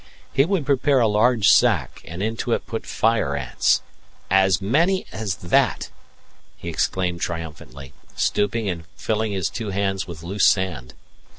He would prepare a large sack and into it put fire ants "As many as that!" he exclaimed triumphantly, stooping and filling his two hands with loose sand.